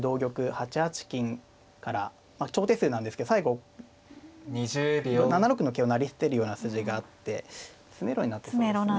８八金から長手数なんですけど最後７六の桂を成り捨てるような筋があって詰めろになってるんですね。